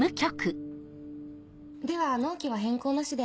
では納期は変更なしで。